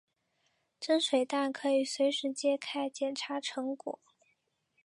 蒸水蛋可以随时揭开捡查成果。